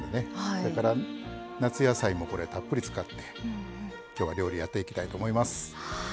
それから夏野菜もたっぷり使ってきょうは料理やっていきたいと思います。